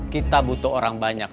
kita butuh orang banyak